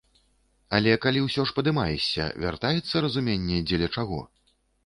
Але калі ўсё ж падымаешся, вяртаецца разуменне, дзеля чаго?